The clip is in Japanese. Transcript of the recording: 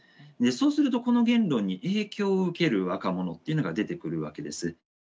そうするとこの言論に影響を受ける若者っていうのが出てくるわけです。